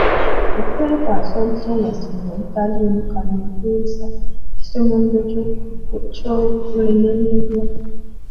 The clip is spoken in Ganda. Okwekwasa obusongasonga obutaliimu kanigguusa kye kisumuluzo ky'okulemererwa.